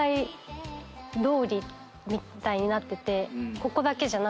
ここだけじゃなくて。